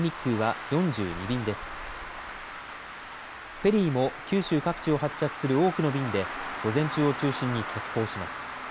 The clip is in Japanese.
フェリーも九州各地を発着する多くの便で午前中を中心に欠航します。